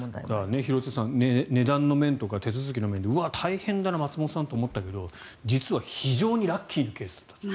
廣津留さん、値段の面とか手続きの面でうわ、大変だな、松本さんと思ったけど実は非常にラッキーなケースだったという。